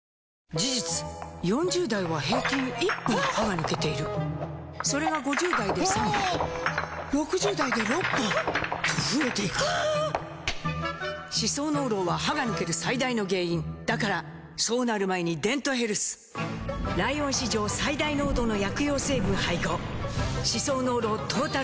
事実４０代は平均１本歯が抜けているそれが５０代で３本６０代で６本と増えていく歯槽膿漏は歯が抜ける最大の原因だからそうなる前に「デントヘルス」ライオン史上最大濃度の薬用成分配合歯槽膿漏トータルケア！